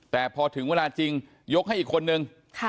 แต่พอถึงเวลาจริงยกให้อีกคนนึง